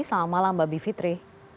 selamat malam mbak bivitri